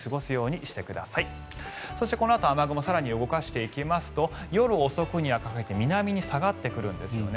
そしてこのあと、雨雲を更に動かしていきますと夜遅くにかけて南に下がってくるんですよね。